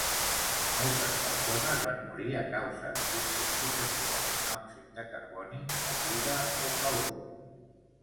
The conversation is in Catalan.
Moltes persones van morir a causa d'intoxicació amb monòxid de carboni, fatiga o calor.